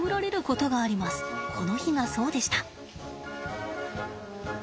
この日がそうでした。